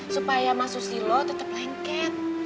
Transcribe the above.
supaya mas susilo tetap lengket